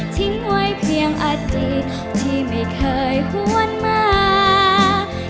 ทิ้งไว้เพียงอาจิตที่ไม่เคยหวนมา